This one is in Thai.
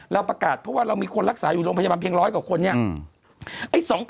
เราประกาศเพราะว่าเรามีคนรักษาอยู่โรงพยาบาลเพียง๑๐๐กว่าคนเนี่ย